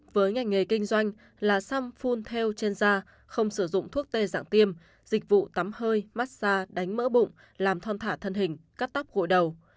với ngành nghề kinh doanh là xăm phun theo trên da không sử dụng thuốc tê dạng tiêm dịch vụ tắm hơi massage đánh mỡ bụng làm thon thả thân hình cắt tóc gội đầu